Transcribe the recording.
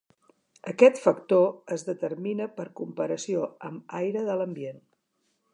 Aquest factor es determina per comparació amb aire de l’ambient.